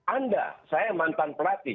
anda saya mantan pelatih